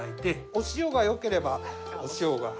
お塩がよければお塩があります。